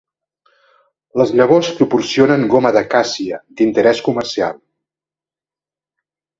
Les llavors proporcionen goma de càssia d'interès comercial.